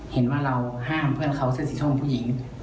เห็นว่าเราห้ามเพื่อนเขาเสื้อสีส้มผู้หญิง